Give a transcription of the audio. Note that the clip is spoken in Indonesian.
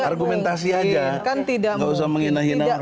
argumentasi aja nggak usah menghina hina